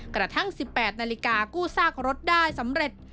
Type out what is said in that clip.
กระทั่ง๑๘นาฬิกากู้ซากรถได้สำเร็จ